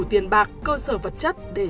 tiền bạc cơ sở vật chất để